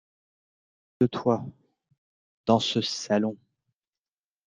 Près de toi... dans ce salon...